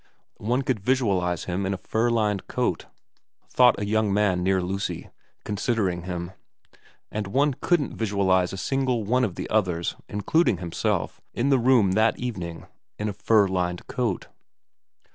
One could visualise him in a fur lined coat, thought a young man near Lucy, considering him ; and one couldn't visualise a single one of the others, including himself, in the room that evening in a fur lined coat.